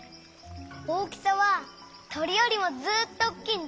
大きさはとりよりもずっとおっきいんだ！